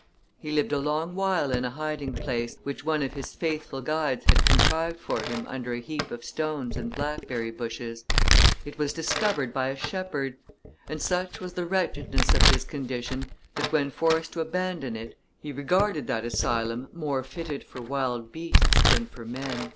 He lived a long while in a hiding place, which one of his faithful guides had contrived for him under a heap of stones and blackberry bushes. It was discovered by a shepherd; and such was the wretchedness of his condition, that, when forced to abandon it, he regretted that asylum, more fitted for wild beasts than for men."